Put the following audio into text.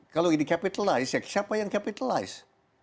kalau ini dikapitalisir siapa yang dikapitalisir